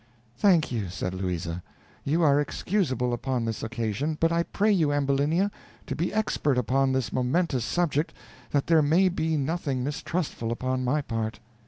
"Thank you," said Louisa, "you are excusable upon this occasion; but I pray you, Ambulinia, to be expert upon this momentous subject, that there may be nothing mistrustful upon my part."